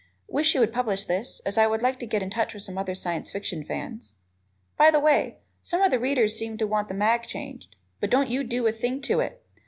Wish you would publish this, as I would like to get in touch with some other Science Fiction fans. By the way, some of the readers seem to want the mag changed, but don't you do a thing to it.